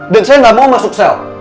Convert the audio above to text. dan saya gak mau masuk sel